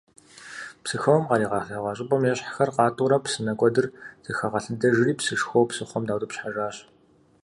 Псыхэуэм къаригъэлъэгъуа щӀыпӀэм ещхьхэр къатӀыурэ псынэ куэдыр зыхагъэлъэдэжри псышхуэу псыхъуэм даутӀыпщхьэжащ.